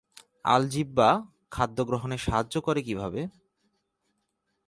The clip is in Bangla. আলজিহ্বা খাদ্যগ্রহণে সাহায্য করে কিভাবে?